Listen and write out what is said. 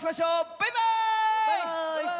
バイバーイ！